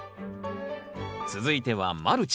続いてはマルチ。